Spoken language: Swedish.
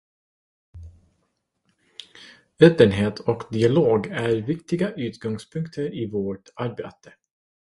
Öppenhet och dialog är viktiga utgångspunkter i vårt arbete.